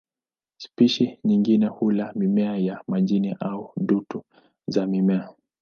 Spishi nyingine hula mimea ya majini au dutu za mimea.